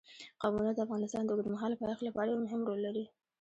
قومونه د افغانستان د اوږدمهاله پایښت لپاره یو مهم رول لري.